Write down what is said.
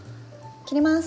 切ります！